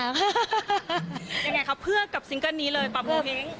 ยังไงครับเพื่อกับซิงเกิ้ลนี้เลยปรับปรุงอิ๊ง